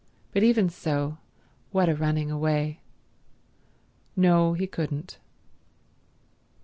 But even so, what a running away. No, he couldn't.